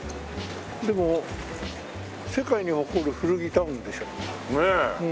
でも世界に誇る古着タウンでしょ？ねえ。